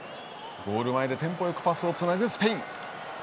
ゴール前でテンポよくパスをつなぐスペイン。